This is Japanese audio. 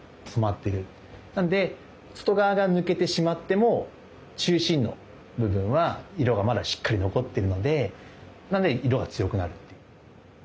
なんで外側が抜けてしまっても中心の部分は色がまだしっかり残ってるのでなんで色が強くなるっていう。